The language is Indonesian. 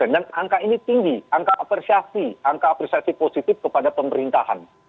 dan angka ini tinggi angka apresiasi angka apresiasi positif kepada pemerintahan